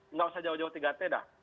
nggak usah jauh jauh tiga t dah